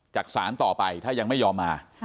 จากศาลต่อไปถ้ายังไม่ยอมมา